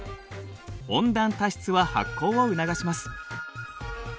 温暖多湿は発酵を促します。